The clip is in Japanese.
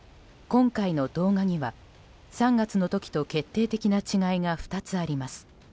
今回の動画には３月の時と決定的な違いが２つあります。